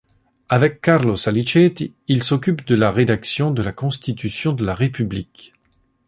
Avec Carlo Saliceti il s'occupe de la rédaction de la constitution de la république.